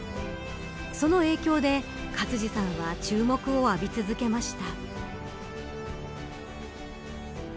その影響で勝児さんは注目を浴び続けました。